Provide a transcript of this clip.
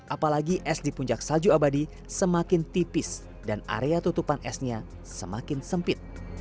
apalagi es di puncak salju abadi semakin tipis dan area tutupan esnya semakin sempit